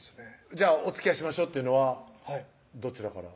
じゃあ「おつきあいしましょう」っていうのはどちらから？